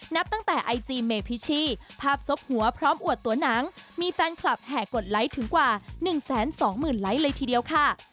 นับตั้งแต่ไอจีเมพิชีภาพซบหัวพร้อมอวดตัวหนังมีแฟนคลับแห่กดไลค์ถึงกว่า๑๒๐๐๐ไลค์เลยทีเดียวค่ะ